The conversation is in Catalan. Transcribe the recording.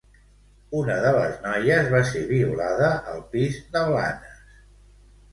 Una de les noies va ser violada al pis de Blanes.